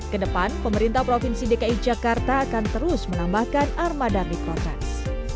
kedepan pemerintah provinsi dki jakarta akan terus menambahkan armada mikrotrans